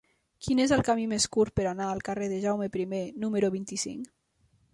Quin és el camí més curt per anar al carrer de Jaume I número vint-i-cinc?